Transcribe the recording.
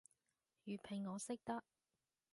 粵拼我識得